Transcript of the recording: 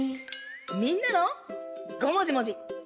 みんなの「ごもじもじ」。